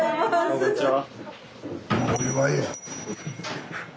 ・こんにちは。